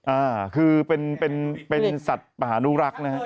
อ่าคือเป็นสัตว์ประหนูรักนะครับ